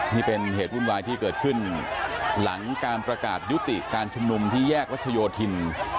นี่เป็นเหตุวุ่นวายที่เกิดขึ้นหลังการประกาศยุติการชุมนุมที่แยกรัชโยธิน